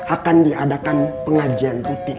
akan diadakan pengajian rutin